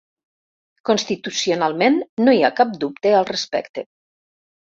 Constitucionalment no hi ha cap dubte al respecte.